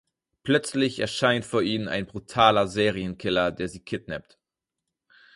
Plötzlich erscheint vor ihnen ein brutaler Serienkiller, der sie kidnappt.